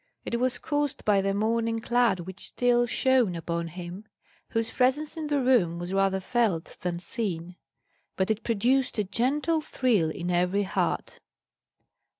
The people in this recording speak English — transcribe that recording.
It was caused by the morning cloud which still shone upon him, whose presence in the room was rather felt than seen; but it produced a gentle thrill in every heart.